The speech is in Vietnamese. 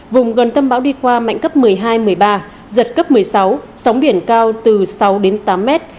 vùng gần tâm bão đi qua mạnh cấp một mươi hai một mươi ba giật cấp một mươi sáu sóng biển cao từ sáu đến tám mét